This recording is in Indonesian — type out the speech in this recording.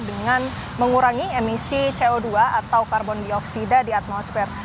dengan mengurangi emisi co dua atau karbon dioksida di atmosfer